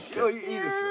いいですよ。